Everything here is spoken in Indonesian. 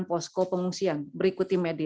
posko pengungsian berikuti medis